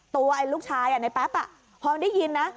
ตัวลูกชายในแป๊บพอได้ยินนะ